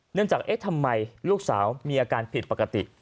จากเอ๊ะทำไมลูกสาวมีอาการผิดปกติ